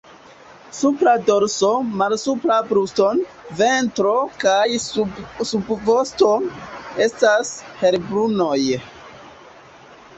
Supra dorso, malsupra brusto, ventro kaj subvosto estas helbrunaj.